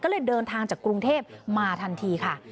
ก็เลยเดินทางจากกรุงเทพมาทันทีค่ะ